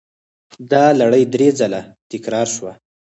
دا لړۍ درې ځله تکرار شوه.